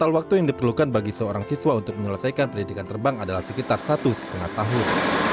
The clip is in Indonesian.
total waktu yang diperlukan bagi seorang siswa untuk menyelesaikan pendidikan terbang adalah sekitar satu lima tahun